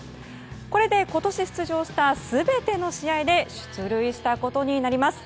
これで、今年出場した全ての試合で出塁したことになります。